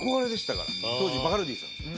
当時バカルディさんですね。